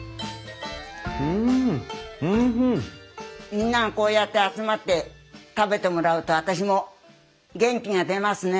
みんながこうやって集まって食べてもらうと私も元気が出ますね。